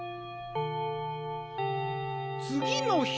つぎの日。